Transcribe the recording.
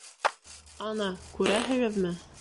— Ана, күрәһегеҙме?